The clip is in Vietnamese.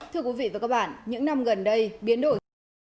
thưa quý vị và các bạn những năm gần đây biến đổi